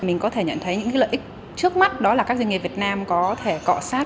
mình có thể nhận thấy những lợi ích trước mắt đó là các doanh nghiệp việt nam có thể cọ sát